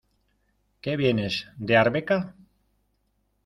Que vienes ¿de Arbeca?